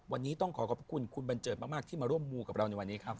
วันนี้ต้องขอขอบคุณคุณบันเจิดมากที่มาร่วมมูกับเราในวันนี้ครับ